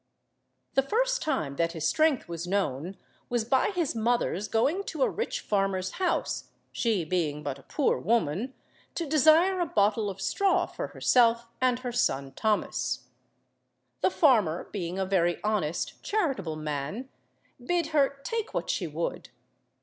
The first time that his strength was known was by his mother's going to a rich farmer's house (she being but a poor woman) to desire a bottle of straw for herself and her son Thomas. The farmer, being a very honest, charitable man, bid her take what she would.